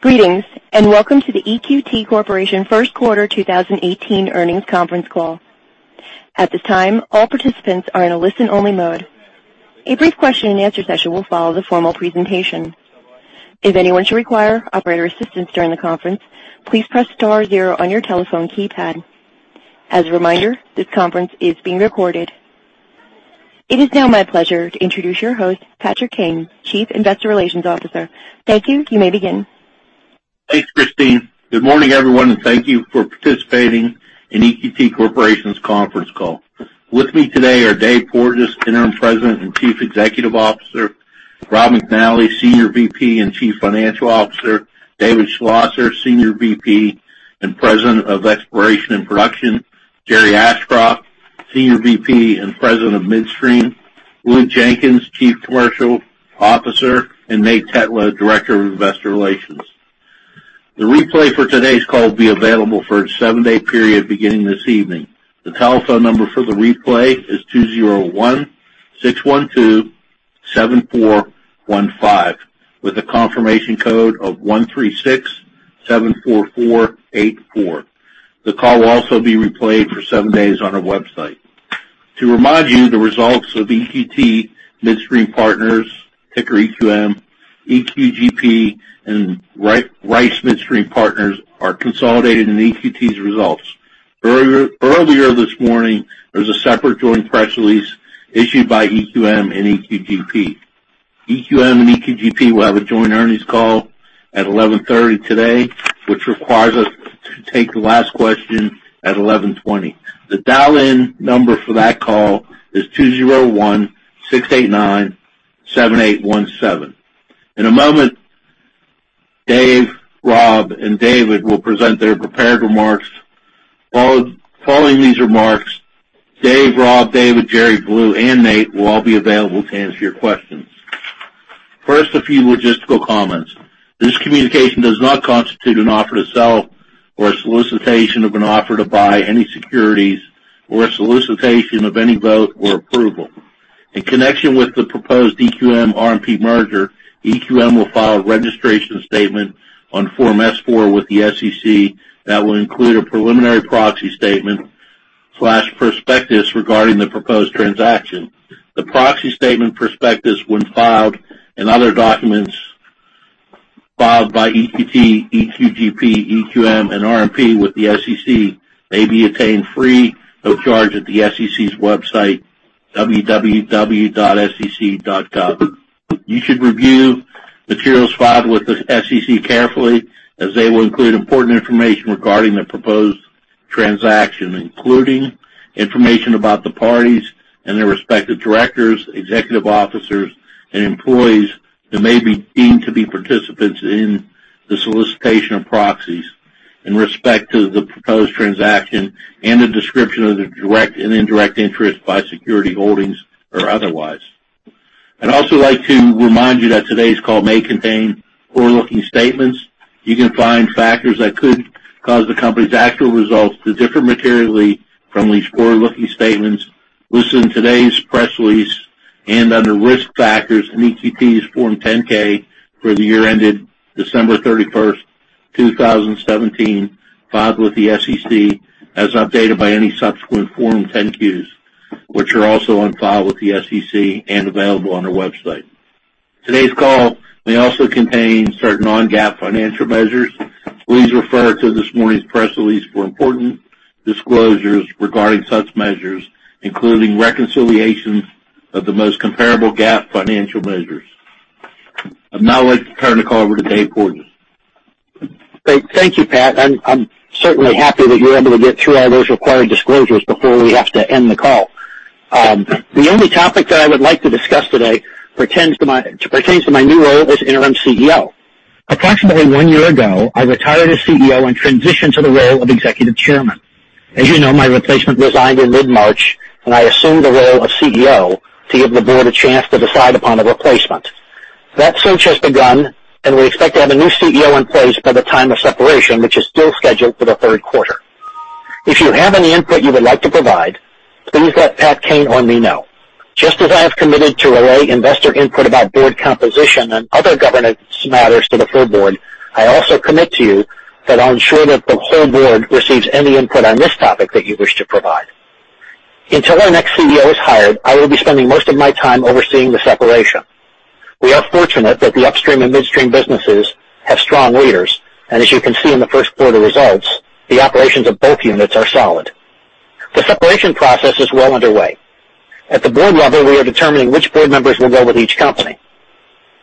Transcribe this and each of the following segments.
Greetings, and welcome to the EQT Corporation first quarter 2018 earnings conference call. At this time, all participants are in a listen-only mode. A brief question and answer session will follow the formal presentation. If anyone should require operator assistance during the conference, please press star zero on your telephone keypad. As a reminder, this conference is being recorded. It is now my pleasure to introduce your host, Patrick Kane, Chief Investor Relations Officer. Thank you. You may begin. Thanks, Christine. Good morning, everyone, and thank you for participating in EQT Corporation's conference call. With me today are Dave Porges, Interim President and Chief Executive Officer. Rob McNally, Senior VP and Chief Financial Officer. David Schlosser, Senior VP and President of Exploration and Production. Jerry Ashcroft, Senior VP and President of Midstream. Lou Jenkins, Chief Commercial Officer, and Nate Tetlow, Director of Investor Relations. The replay for today's call will be available for a seven-day period beginning this evening. The telephone number for the replay is 201-612-7415, with a confirmation code of 13674484. The call will also be replayed for seven days on our website. To remind you, the results of EQT Midstream Partners, ticker EQM, EQGP, and Rice Midstream Partners are consolidated in EQT's results. Earlier this morning, there was a separate joint press release issued by EQM and EQGP. EQM and EQGP will have a joint earnings call at 11:30 today, which requires us to take the last question at 11:20. The dial-in number for that call is 201-689-7817. In a moment, Dave, Rob, and David will present their prepared remarks. Following these remarks, Dave, Rob, David, Jerry, Lou, and Nate will all be available to answer your questions. First, a few logistical comments. This communication does not constitute an offer to sell or a solicitation of an offer to buy any securities or a solicitation of any vote or approval. In connection with the proposed EQM/RMP merger, EQM will file a registration statement on Form S-4 with the SEC that will include a preliminary proxy statement/prospectus regarding the proposed transaction. The proxy statement prospectus when filed and other documents filed by EQT, EQGP, EQM, and RMP with the SEC may be obtained free of charge at the SEC's website, www.sec.gov. You should review materials filed with the SEC carefully as they will include important information regarding the proposed transaction, including information about the parties and their respective directors, executive officers, and employees who may be deemed to be participants in the solicitation of proxies in respect to the proposed transaction and a description of the direct and indirect interest by security holdings or otherwise. I'd also like to remind you that today's call may contain forward-looking statements. You can find factors that could cause the company's actual results to differ materially from these forward-looking statements listed in today's press release and under Risk Factors in EQT's Form 10-K for the year ended December 31st, 2017, filed with the SEC, as updated by any subsequent Form 10-Qs, which are also on file with the SEC and available on our website. Today's call may also contain certain non-GAAP financial measures. Please refer to this morning's press release for important disclosures regarding such measures, including reconciliations of the most comparable GAAP financial measures. I'd now like to turn the call over to Dave Porges. Great. Thank you, Pat. I'm certainly happy that you were able to get through all those required disclosures before we have to end the call. The only topic that I would like to discuss today pertains to my new role as interim CEO. Approximately one year ago, I retired as CEO and transitioned to the role of executive chairman. As you know, my replacement resigned in mid-March, and I assumed the role of CEO to give the board a chance to decide upon a replacement. That search has begun, and we expect to have a new CEO in place by the time of separation, which is still scheduled for the third quarter. If you have any input you would like to provide, please let Pat Kane or me know. Just as I have committed to relay investor input about board composition and other governance matters to the full board, I also commit to you that I'll ensure that the whole board receives any input on this topic that you wish to provide. Until our next CEO is hired, I will be spending most of my time overseeing the separation. We are fortunate that the upstream and midstream businesses have strong leaders, and as you can see in the first quarter results, the operations of both units are solid. The separation process is well underway. At the board level, we are determining which board members will go with each company.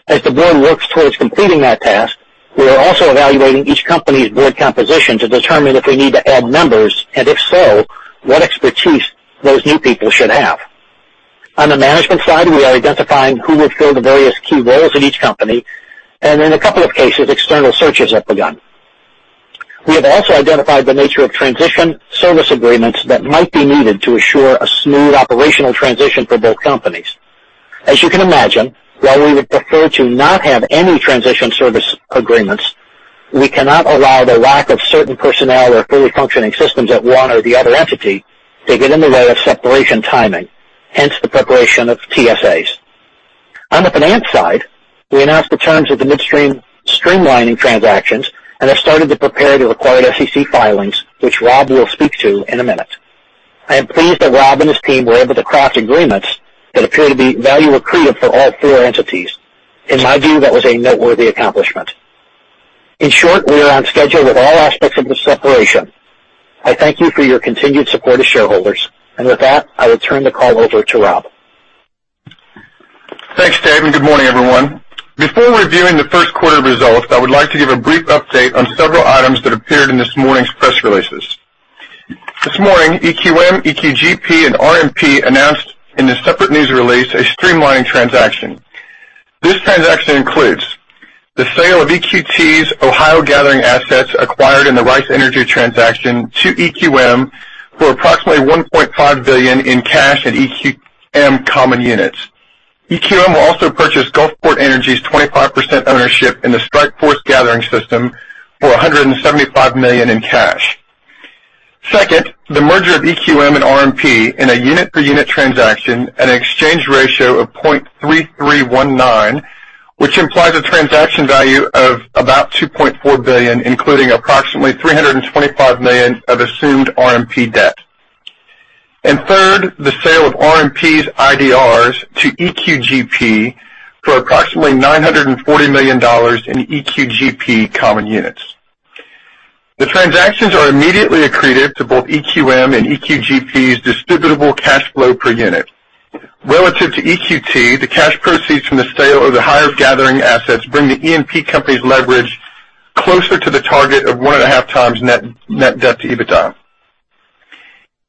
As the board works towards completing that task, we are also evaluating each company's board composition to determine if we need to add members, and if so, what expertise those new people should have. On the management side, we are identifying who will fill the various key roles in each company, and in a couple of cases, external searches have begun. We have also identified the nature of transition service agreements that might be needed to assure a smooth operational transition for both companies. As you can imagine, while we would prefer to not have any transition service agreements. We cannot allow the lack of certain personnel or fully functioning systems at one or the other entity to get in the way of separation timing, hence the preparation of TSAs. On the finance side, we announced the terms of the midstream streamlining transactions and have started to prepare the required SEC filings, which Rob will speak to in a minute. I am pleased that Rob and his team were able to craft agreements that appear to be value accretive for all four entities. In my view, that was a noteworthy accomplishment. In short, we are on schedule with all aspects of the separation. I thank you for your continued support as shareholders. With that, I will turn the call over to Rob. Thanks, Dave, and good morning, everyone. Before reviewing the first quarter results, I would like to give a brief update on several items that appeared in this morning's press releases. This morning, EQM, EQGP, and RMP announced in a separate news release a streamlining transaction. This transaction includes the sale of EQT's Ohio Gathering assets acquired in the Rice Energy transaction to EQM for approximately $1.5 billion in cash and EQM common units. EQM will also purchase Gulfport Energy's 25% ownership in the Strike Force Gathering system for $175 million in cash. Second, the merger of EQM and RMP in a unit-per-unit transaction at an exchange ratio of 0.3319, which implies a transaction value of about $2.4 billion, including approximately $325 million of assumed RMP debt. Third, the sale of RMP's IDRs to EQGP for approximately $940 million in EQGP common units. The transactions are immediately accretive to both EQM and EQGP's distributable cash flow per unit. Relative to EQT, the cash proceeds from the sale of the hired gathering assets bring the E&P company's leverage closer to the target of 1.5 times net debt to EBITDA.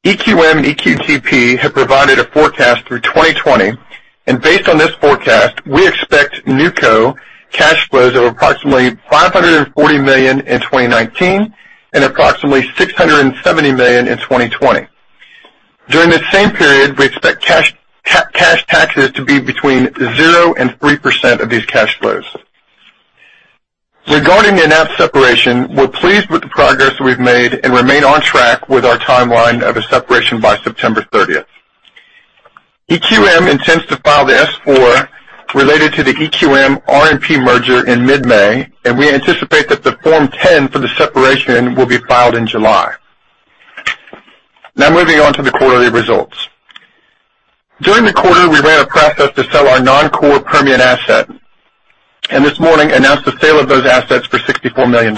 EQM and EQGP have provided a forecast through 2020, and based on this forecast, we expect NewCo cash flows of approximately $540 million in 2019 and approximately $670 million in 2020. During this same period, we expect cash taxes to be between 0% and 3% of these cash flows. Regarding the announced separation, we're pleased with the progress we've made and remain on track with our timeline of a separation by September 30th. EQM intends to file the S-4 related to the EQM RMP merger in mid-May, and we anticipate that the Form 10 for the separation will be filed in July. Moving on to the quarterly results. During the quarter, we ran a process to sell our non-core Permian asset, and this morning announced the sale of those assets for $64 million.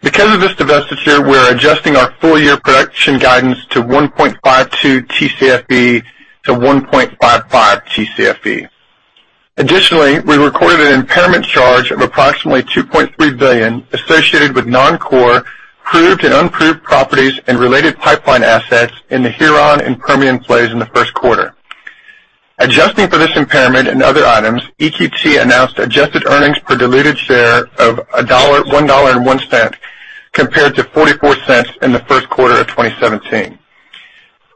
Because of this divestiture, we're adjusting our full-year production guidance to 1.52 TCFE to 1.55 TCFE. Additionally, we recorded an impairment charge of approximately $2.3 billion associated with non-core proved and unproved properties and related pipeline assets in the Huron and Permian plays in the first quarter. Adjusting for this impairment and other items, EQT announced adjusted earnings per diluted share of $1.01 compared to $0.44 in the first quarter of 2017.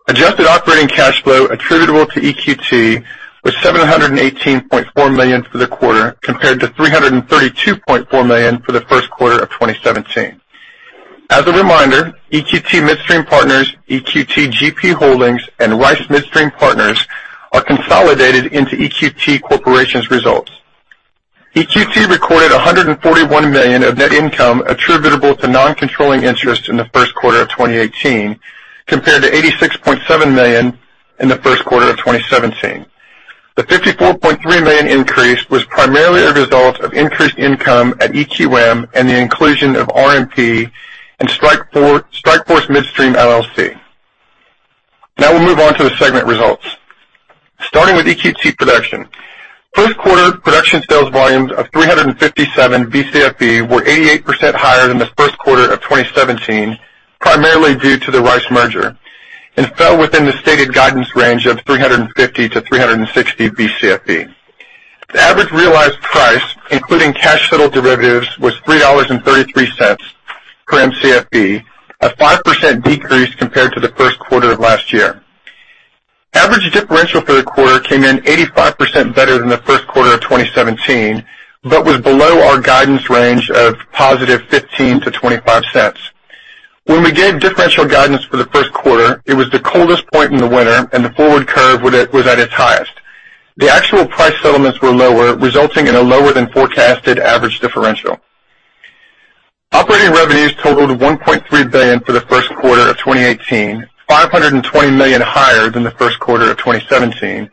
Adjusted operating cash flow attributable to EQT was $718.4 million for the quarter compared to $332.4 million for the first quarter of 2017. As a reminder, EQT Midstream Partners, EQT GP Holdings, and Rice Midstream Partners are consolidated into EQT Corporation's results. EQT recorded $141 million of net income attributable to non-controlling interests in the first quarter of 2018 compared to $86.7 million in the first quarter of 2017. The $54.3 million increase was primarily a result of increased income at EQM and the inclusion of RMP and Strike Force Midstream LLC. We'll move on to the segment results. Starting with EQT production. First quarter production sales volumes of 357 BCFE were 88% higher than the first quarter of 2017, primarily due to the Rice merger, and fell within the stated guidance range of 350-360 BCFE. The average realized price, including cash settle derivatives, was $3.33 per Mcfe, a 5% decrease compared to the first quarter of last year. Average differential for the quarter came in 85% better than the first quarter of 2017, was below our guidance range of positive $0.15-$0.25. We gave differential guidance for the first quarter, it was the coldest point in the winter and the forward curve was at its highest. The actual price settlements were lower, resulting in a lower than forecasted average differential. Operating revenues totaled $1.3 billion for the first quarter of 2018, $520 million higher than the first quarter of 2017,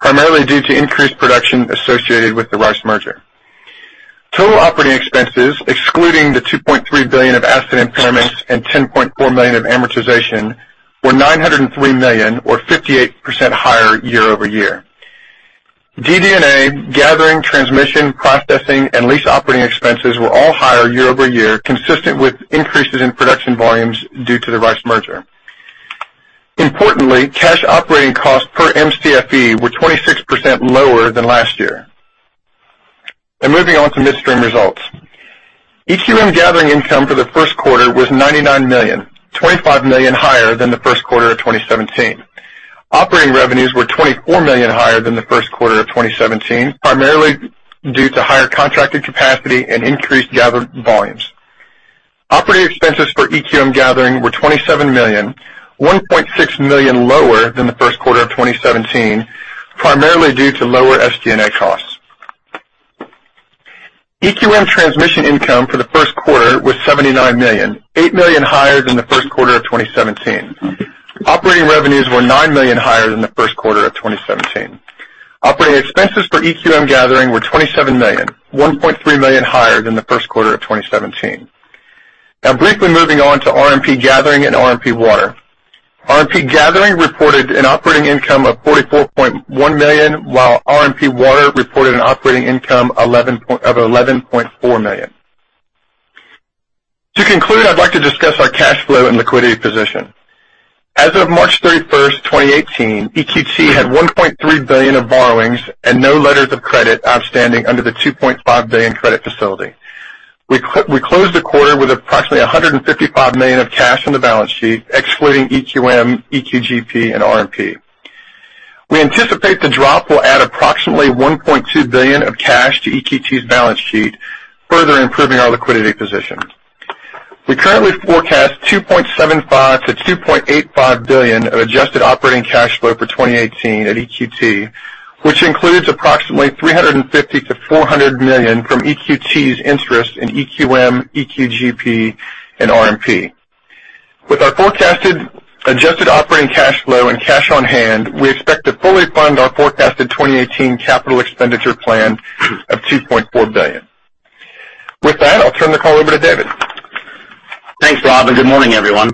primarily due to increased production associated with the Rice merger. Total operating expenses, excluding the $2.3 billion of asset impairments and $10.4 million of amortization, were $903 million, or 58% higher year-over-year. G&A, gathering, transmission, processing, and lease operating expenses were all higher year-over-year, consistent with increases in production volumes due to the Rice merger. Importantly, cash operating costs per Mcfe were 26% lower than last year. Moving on to midstream results. EQM Gathering income for the first quarter was $99 million, $25 million higher than the first quarter of 2017. Operating revenues were $24 million higher than the first quarter of 2017, primarily due to higher contracted capacity and increased gathered volumes. Operating expenses for EQM Gathering were $27 million, $1.6 million lower than the first quarter of 2017, primarily due to lower SG&A costs. EQM transmission income for the first quarter was $79 million, $8 million higher than the first quarter of 2017. Operating revenues were $9 million higher than the first quarter of 2017. Operating expenses for EQM Gathering were $27 million, $1.3 million higher than the first quarter of 2017. Briefly moving on to RMP Gathering and RMP Water. RMP Gathering reported an operating income of $44.1 million, while RMP Water reported an operating income of $11.4 million. To conclude, I'd like to discuss our cash flow and liquidity position. As of March 31st, 2018, EQT had $1.3 billion of borrowings and no letters of credit outstanding under the $2.5 billion credit facility. We closed the quarter with approximately $155 million of cash on the balance sheet, excluding EQM, EQGP, and RMP. We anticipate the drop will add approximately $1.2 billion of cash to EQT's balance sheet, further improving our liquidity position. We currently forecast $2.75 billion to $2.85 billion of adjusted operating cash flow for 2018 at EQT, which includes approximately $350 million to $400 million from EQT's interest in EQM, EQGP, and RMP. With our forecasted adjusted operating cash flow and cash on hand, we expect to fully fund our forecasted 2018 capital expenditure plan of $2.4 billion. With that, I'll turn the call over to David. Thanks, Rob. Good morning, everyone.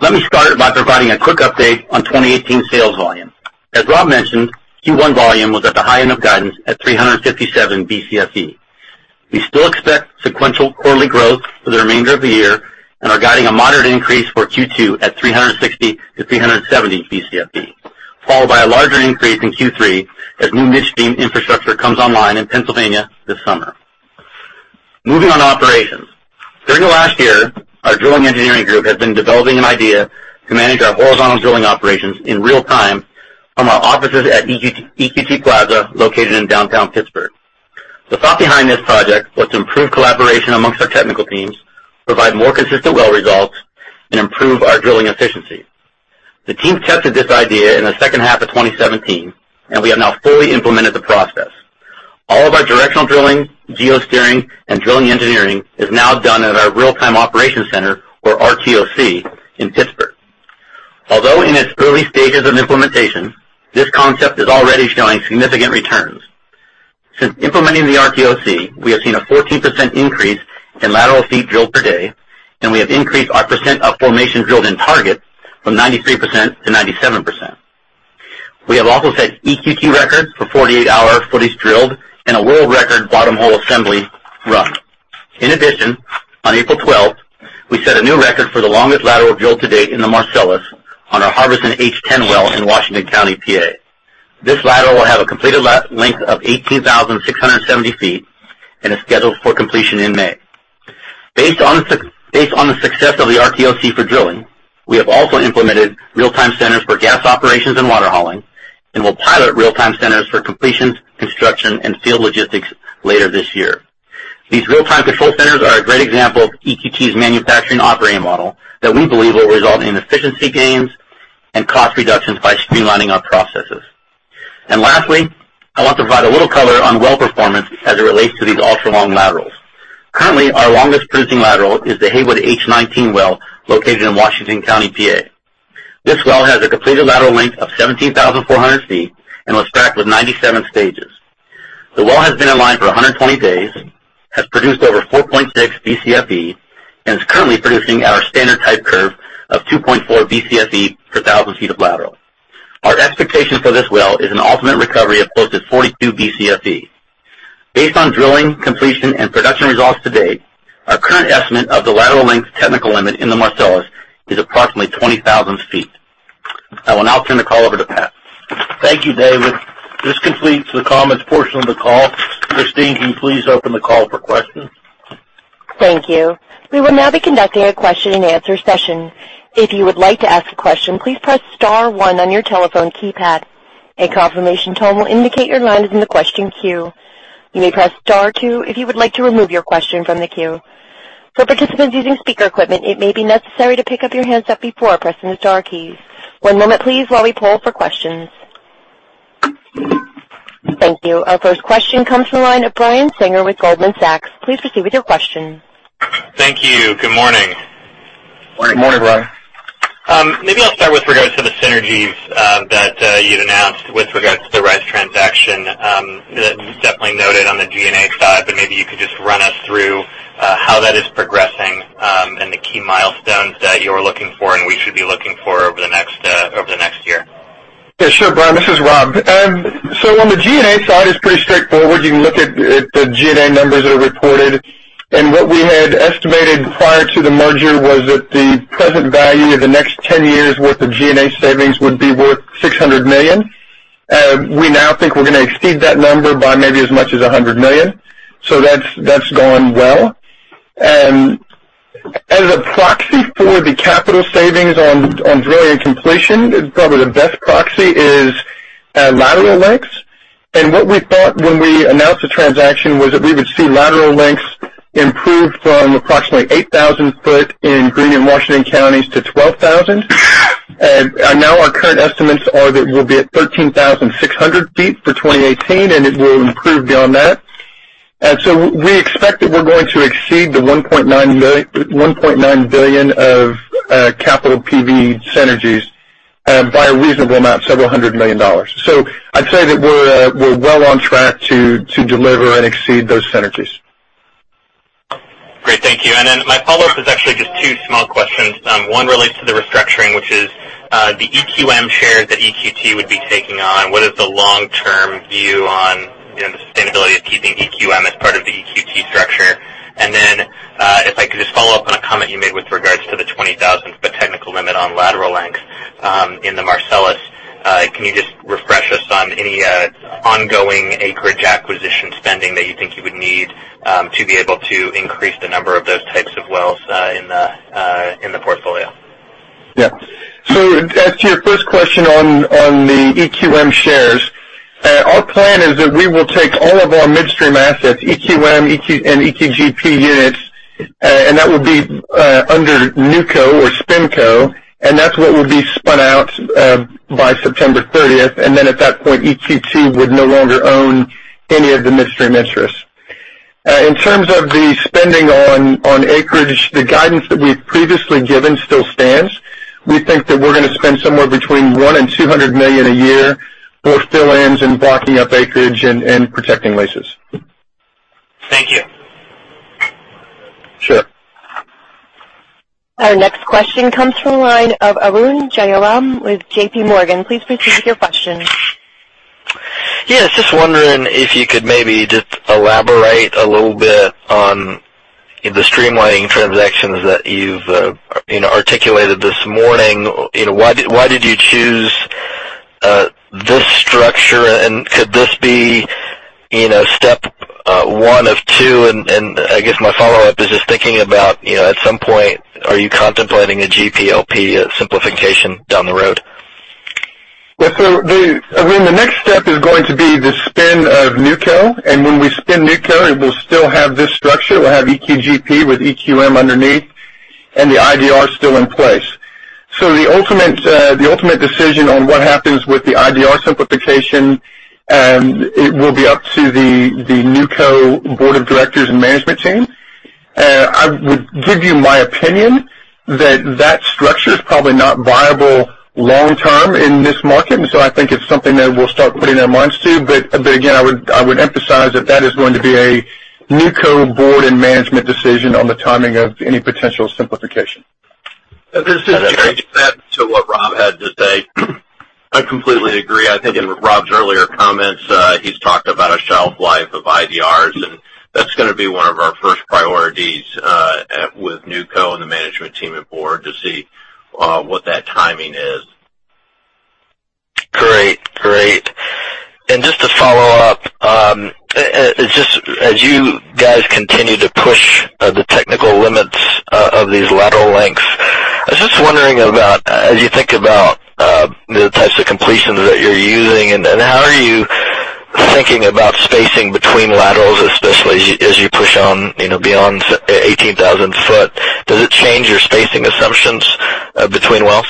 Let me start by providing a quick update on 2018 sales volume. As Rob mentioned, Q1 volume was at the high end of guidance at 357 BCFE. We still expect sequential quarterly growth for the remainder of the year and are guiding a moderate increase for Q2 at 360 BCFE to 370 BCFE, followed by a larger increase in Q3 as new midstream infrastructure comes online in Pennsylvania this summer. Moving on to operations. During the last year, our drilling engineering group has been developing an idea to manage our horizontal drilling operations in real time from our offices at EQT Plaza, located in downtown Pittsburgh. The thought behind this project was to improve collaboration amongst our technical teams, provide more consistent well results, and improve our drilling efficiency. The team tested this idea in the second half of 2017. We have now fully implemented the process. All of our directional drilling, geo-steering, and drilling engineering is now done at our real-time operations center, or RTOC, in Pittsburgh. Although in its early stages of implementation, this concept is already showing significant returns. Since implementing the RTOC, we have seen a 14% increase in lateral feet drilled per day. We have increased our percent of formations drilled in target from 93% to 97%. We have also set EQT records for 48-hour footage drilled and a world record bottom hole assembly run. In addition, on April 12th, we set a new record for the longest lateral drilled to date in the Marcellus on our Harbison H10 well in Washington County, P.A. This lateral will have a completed length of 18,670 feet and is scheduled for completion in May. Based on the success of the RTOC for drilling, we have also implemented real-time centers for gas operations and water hauling and will pilot real-time centers for completions, construction, and field logistics later this year. These real-time control centers are a great example of EQT's manufacturing operating model that we believe will result in efficiency gains and cost reductions by streamlining our processes. Lastly, I want to provide a little color on well performance as it relates to these ultra-long laterals. Currently, our longest producing lateral is the Haywood H19 well, located in Washington County, P.A. This well has a completed lateral length of 17,400 feet and was fracked with 97 stages. The well has been online for 120 days, has produced over 4.6 BCFE, and is currently producing our standard type curve of 2.4 BCFE per thousand feet of lateral. Our expectation for this well is an ultimate recovery of close to 42 BCFE. Based on drilling, completion, and production results to date, our current estimate of the lateral length technical limit in the Marcellus is approximately 20,000 feet. I will now turn the call over to Pat. Thank you, David. This completes the comments portion of the call. Christine, can you please open the call for questions? Thank you. We will now be conducting a question and answer session. If you would like to ask a question, please press star 1 on your telephone keypad. A confirmation tone will indicate your line is in the question queue. You may press star 2 if you would like to remove your question from the queue. For participants using speaker equipment, it may be necessary to pick up your handset before pressing the star keys. One moment, please, while we poll for questions. Thank you. Our first question comes from the line of Brian Singer with Goldman Sachs. Please proceed with your question. Thank you. Good morning. Good morning, Brian. Maybe I'll start with regards to the synergies that you'd announced with regards to the Rice transaction. It was definitely noted on the G&A side, maybe you could just run us through how that is progressing and the key milestones that you're looking for and we should be looking for over the next year. Sure, Brian. This is Rob. On the G&A side, it's pretty straightforward. You can look at the G&A numbers that are reported. What we had estimated prior to the merger was that the present value of the next 10 years worth of G&A savings would be worth $600 million. We now think we're going to exceed that number by maybe as much as $100 million. That's gone well. As a proxy for the capital savings on drilling completion, probably the best proxy is lateral lengths. What we thought when we announced the transaction was that we would see lateral lengths improve from approximately 8,000 foot in Greene and Washington counties to 12,000. Now our current estimates are that we'll be at 13,600 feet for 2018, and it will improve beyond that. We expect that we're going to exceed the $1.9 billion of capital PV synergies by a reasonable amount, several hundred million dollars. I'd say that we're well on track to deliver and exceed those synergies. Great. Thank you. My follow-up is actually just two small questions. One relates to the restructuring, which is the EQM shares that EQT would be taking on. What is the long-term view on the sustainability of keeping EQM as part of the EQT structure? If I could just follow up on a comment you made with regards to the 20,000-foot technical limit on lateral lengths in the Marcellus. Can you just refresh us on any ongoing acreage acquisition spending that you think you would need to be able to increase the number of those types of wells in the portfolio? As to your first question on the EQM shares, our plan is that we will take all of our midstream assets, EQM and EQGP units, and that would be under NewCo or SpinCo, and that's what would be spun out by September 30th. At that point, EQT would no longer own any of the midstream interests. In terms of the spending on acreage, the guidance that we've previously given still stands. We think that we're going to spend somewhere between $100 million and $200 million a year for fill-ins and blocking up acreage and protecting leases. Thank you. Sure. Our next question comes from the line of Arun Jayaram with J.P. Morgan. Please proceed with your question. Just wondering if you could maybe just elaborate a little bit on the streamlining transactions that you've articulated this morning. Why did you choose this structure, and could this be step 1 of 2? I guess my follow-up is just thinking about at some point, are you contemplating a GP/LP simplification down the road? Arun, the next step is going to be the spin of NewCo. When we spin NewCo, it will still have this structure. It will have EQGP with EQM underneath and the IDR still in place. The ultimate decision on what happens with the IDR simplification, it will be up to the NewCo board of directors and management team. I would give you my opinion that structure is probably not viable long-term in this market, I think it's something that we'll start putting our minds to. Again, I would emphasize that is going to be a NewCo board and management decision on the timing of any potential simplification. This is Jerry. To add to what Rob had to say, I completely agree. I think in Rob's earlier comments, he's talked about a shelf life of IDRs, and that's going to be one of our first priorities with NewCo and the management team and board to see what that timing is. Great. Just to follow up, as you guys continue to push the technical limits of these lateral lengths, I was just wondering about as you think about the types of completions that you're using, and how are you thinking about spacing between laterals, especially as you push on beyond 18,000 foot? Does it change your spacing assumptions between wells?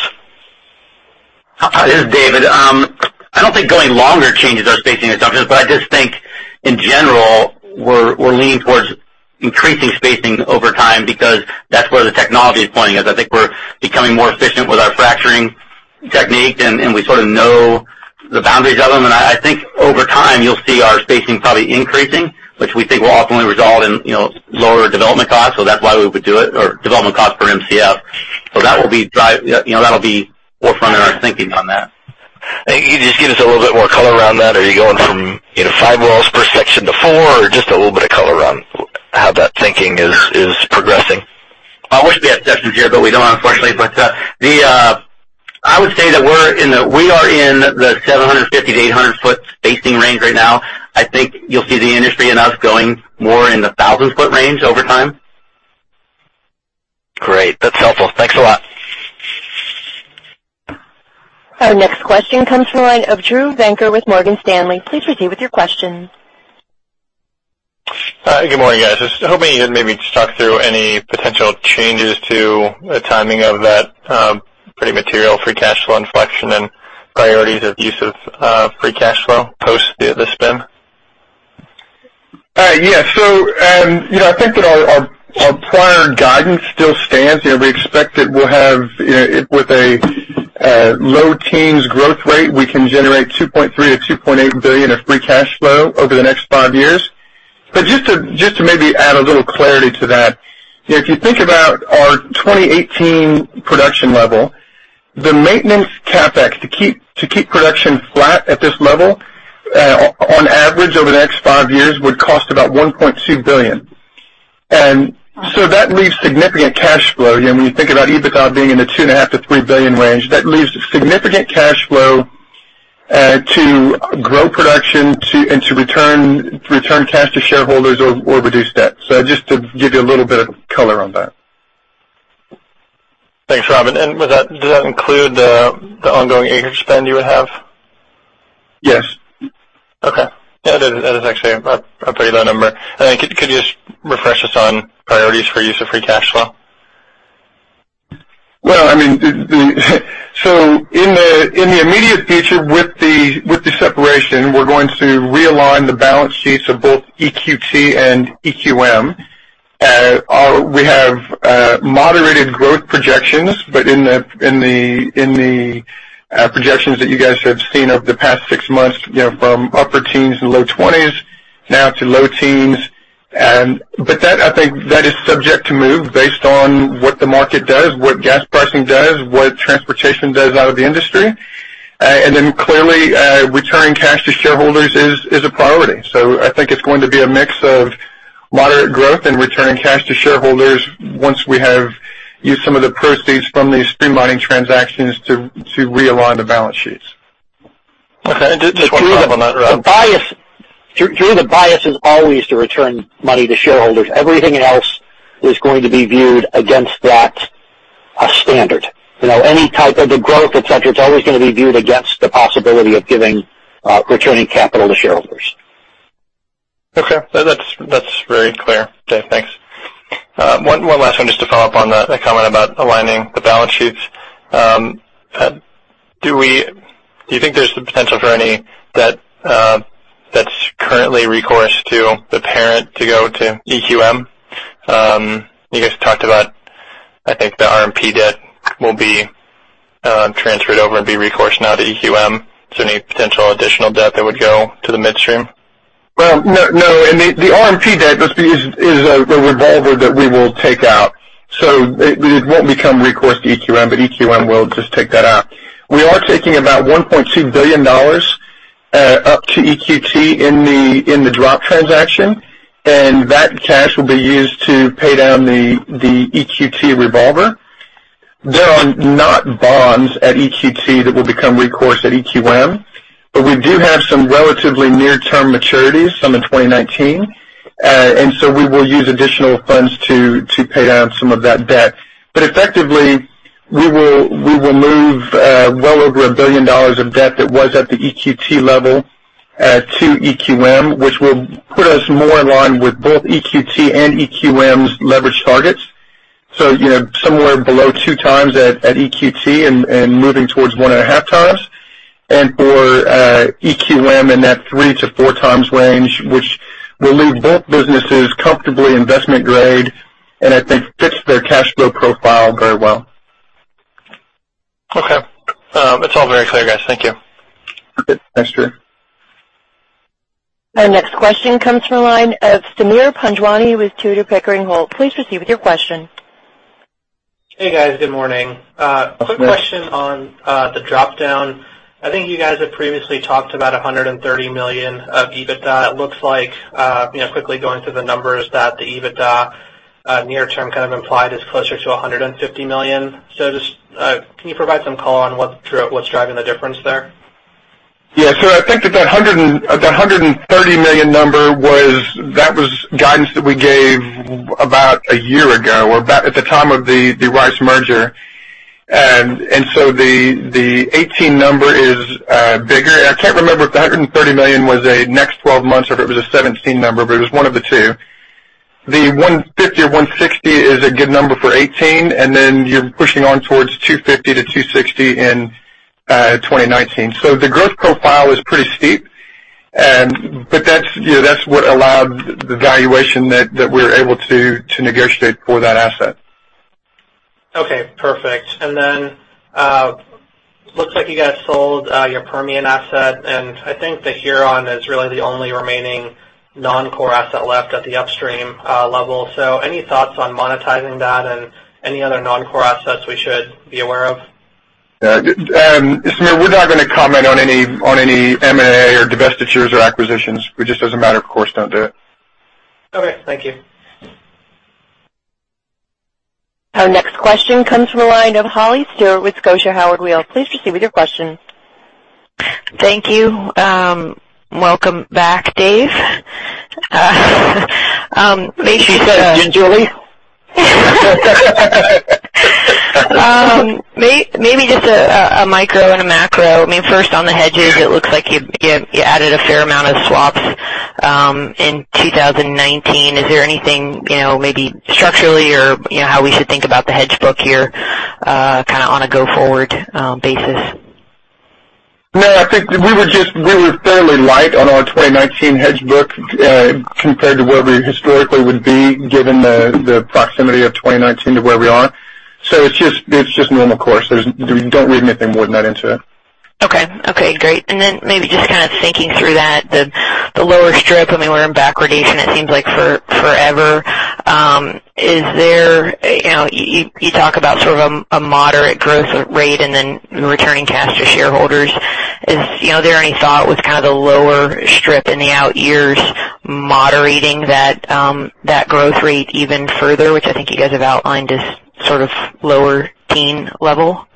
This is David. I don't think going longer changes our spacing assumptions. I just think in general, we're leaning towards increasing spacing over time because that's where the technology is pointing us. I think we're becoming more efficient with our fracturing techniques, and we sort of know the boundaries of them. I think over time, you'll see our spacing probably increasing, which we think will ultimately result in lower development costs, so that's why we would do it, or development cost per Mcf. That'll be forefront in our thinking on that. Can you just give us a little bit more color around that? Are you going from five wells per section to four? Just a little bit of color on how that thinking is progressing. I wish we had sections here, we don't, unfortunately. I would say that we are in the 750 to 800 foot spacing range right now. I think you'll see the industry and us going more in the 1,000-foot range over time. Great. That's helpful. Thanks a lot. Our next question comes from the line of Drew Venker with Morgan Stanley. Please proceed with your question. Good morning, guys. Just hoping you could maybe just talk through any potential changes to the timing of that pretty material free cash flow inflection and priorities of use of free cash flow post the spin. Yeah. I think that our prior guidance still stands. We expect that with a low teens growth rate, we can generate $2.3 billion-$2.8 billion of free cash flow over the next five years. Just to maybe add a little clarity to that, if you think about our 2018 production level, the maintenance CapEx to keep production flat at this level on average over the next five years would cost about $1.2 billion. That leaves significant cash flow. When you think about EBITDA being in the $2.5 billion-$3 billion range, that leaves significant cash flow to grow production and to return cash to shareholders or reduce debt. Just to give you a little bit of color on that. Thanks, Rob. Does that include the ongoing acreage spend you would have? Yes. That is actually a pretty low number. Could you just refresh us on priorities for use of free cash flow? In the immediate future with the separation, we're going to realign the balance sheets of both EQT and EQM. We have moderated growth projections, but in the projections that you guys have seen over the past six months, from upper teens to low twenties now to low teens. That I think is subject to move based on what the market does, what gas pricing does, what transportation does out of the industry. Clearly, returning cash to shareholders is a priority. I think it's going to be a mix of moderate growth and returning cash to shareholders once we have used some of the proceeds from these streamlining transactions to realign the balance sheets. Okay. Just one follow-up on that, Rob. Drew, the bias is always to return money to shareholders. Everything else is going to be viewed against that standard. Any type of the growth, et cetera, it's always going to be viewed against the possibility of returning capital to shareholders. Okay. That's very clear, Dave. Thanks. One last one, just to follow up on that comment about aligning the balance sheets. Do you think there's the potential for any that's currently recourse to the parent to go to EQM? You guys talked about, I think the RMP debt will be transferred over and be recourse now to EQM. Is there any potential additional debt that would go to the midstream? Well, no. The RMP debt is a revolver that we will take out. It won't become recourse to EQM, but EQM will just take that out. We are taking about $1.2 billion up to EQT in the drop transaction, that cash will be used to pay down the EQT revolver. There are not bonds at EQT that will become recourse at EQM, we do have some relatively near-term maturities, some in 2019. We will use additional funds to pay down some of that debt. Effectively, we will move well over $1 billion of debt that was at the EQT level to EQM, which will put us more in line with both EQT and EQM's leverage targets. Somewhere below two times at EQT and moving towards one and a half times. For EQM in that three to four times range, which will leave both businesses comfortably investment-grade, I think fits their cash flow profile very well. Okay. It's all very clear, guys. Thank you. Okay. Thanks, Drew. Our next question comes from the line of Sameer Panjwani with Tudor, Pickering, Holt & Co. Please proceed with your question. Hey, guys. Good morning. Good morning. Quick question on the drop-down. I think you guys have previously talked about $130 million of EBITDA. It looks like, quickly going through the numbers, that the EBITDA near term kind of implied is closer to $150 million. Just can you provide some color on what's driving the difference there? Sure. I think that $130 million number was guidance that we gave about a year ago or at the time of the Rice merger. The 2018 number is bigger. I can't remember if the $130 million was a next 12 months or if it was a 2017 number, but it was one of the two. The $150 or $160 is a good number for 2018, you're pushing on towards $250-$260 in 2019. The growth profile is pretty steep. That's what allowed the valuation that we were able to negotiate for that asset. Okay, perfect. Looks like you guys sold your Permian asset, I think the Huron is really the only remaining non-core asset left at the upstream level. Any thoughts on monetizing that and any other non-core assets we should be aware of? Sameer, we're not going to comment on any M&A or divestitures or acquisitions. We just as a matter of course, don't do it. Okay. Thank you. Our next question comes from the line of Holly Stewart with Scotiabank Howard Weil. Please proceed with your question. Thank you. Welcome back, Dave. She said gingerly. Maybe just a micro and a macro. First on the hedges, it looks like you added a fair amount of swaps in 2019. Is there anything, maybe structurally or how we should think about the hedge book here, kind of on a go-forward basis? I think we were fairly light on our 2019 hedge book compared to where we historically would be given the proximity of 2019 to where we are. It's just normal course. Don't read anything more than that into it. Okay. Great. Maybe just kind of thinking through that, the lower strip, we're in backwardation it seems like forever. You talk about sort of a moderate growth rate and then returning cash to shareholders. Is there any thought with kind of the lower strip in the out years moderating that growth rate even further, which I think you guys have outlined as sort of lower teen level?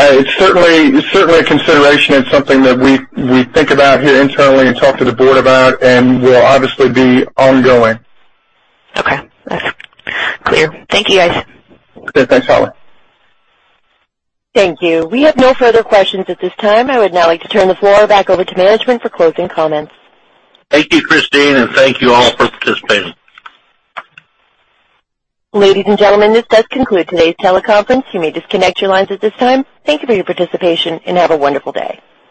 It's certainly a consideration. It's something that we think about here internally and talk to the board about and will obviously be ongoing. Okay. That's clear. Thank you, guys. Okay. Thanks, Holly. Thank you. We have no further questions at this time. I would now like to turn the floor back over to management for closing comments. Thank you, Christine, and thank you all for participating. Ladies and gentlemen, this does conclude today's teleconference. You may disconnect your lines at this time. Thank you for your participation, and have a wonderful day.